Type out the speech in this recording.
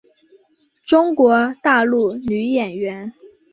中国大陆女演员。